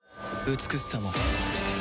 美しさも